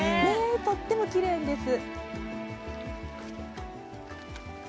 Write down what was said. とってもきれいです。